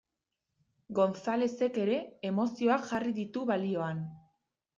Gonzalezek ere emozioak jarri ditu balioan.